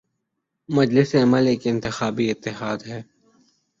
مجلس عمل ایک انتخابی اتحاد ہے۔